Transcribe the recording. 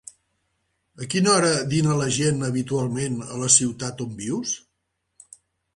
A quina hora dina la gent habitualment a la ciutat on vius?